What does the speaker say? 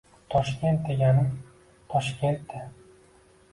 — Toshkent degani — Toshkentda!